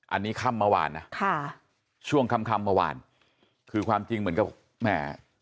อันนี้ค่ำมาวานช่วงค่ำมาวานคือความจริงเหมือนกับแม่